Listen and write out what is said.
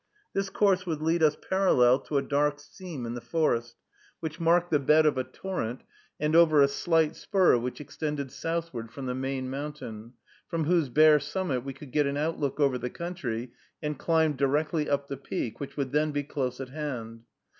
This course would lead us parallel to a dark seam in the forest, which marked the bed of a torrent, and over a slight spur, which extended southward from the main mountain, from whose bare summit we could get an outlook over the country, and climb directly up the peak, which would then be close at hand.